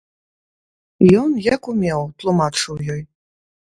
Ён, як умеў, тлумачыў ёй.